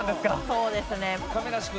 そうですね。